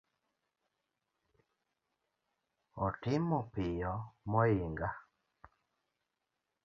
Otimo piyo moinga